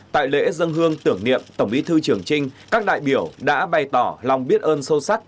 tại lễ dân hương tưởng niệm tổng bí thư trường trinh các đại biểu đã bày tỏ lòng biết ơn sâu sắc